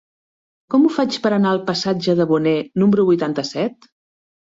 Com ho faig per anar al passatge de Boné número vuitanta-set?